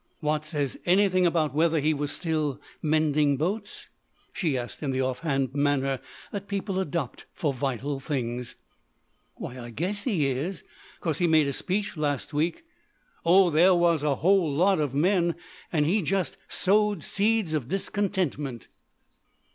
"Watts say anything about whether he was still mending boats?" she asked in the off hand manner people adopt for vital things. "Why I guess he is, 'cause he made a speech last week oh there was a whole lot of men and he just sowed seeds of discontentment."